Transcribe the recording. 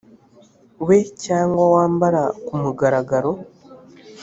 we cyangwa wambara ku mugaragaro